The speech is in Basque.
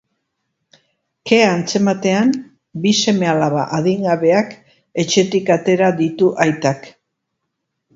Kea antzematean, bi seme-alaba adingabeak etxetik atera ditu aitak.